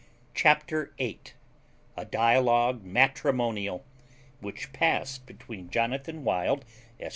CHAPTER EIGHT A DIALOGUE MATRIMONIAL, WHICH PASSED BETWEEN JONATHAN WILD, ESQ.